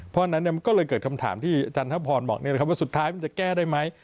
เพราะฉะนั้นมันก็เลยเกิดคำถามที่อาจารย์ทพรบอกว่าสุดท้ายมันจะแก้ได้ไหม